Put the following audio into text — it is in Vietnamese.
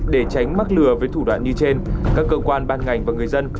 để tránh mắc lừa với thủ đoạn như trên các cơ quan ban ngành và người dân